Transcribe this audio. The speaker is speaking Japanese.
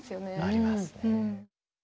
ありますね。